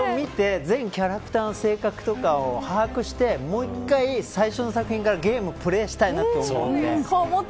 これを見て、全キャラクターの性格とかを把握してもう一回最初の作品からゲームをプレーしたいと思って。